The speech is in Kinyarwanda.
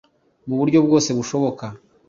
mu buryo bwose bushoboka.